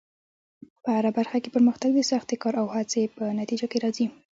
په هره برخه کې پرمختګ د سختې کار او هڅې په نتیجه کې راځي.